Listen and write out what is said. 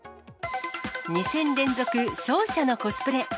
２戦連続、勝者のコスプレ。